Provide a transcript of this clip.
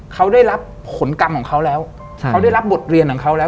เขาได้รับขนกรรมของเขาแล้ว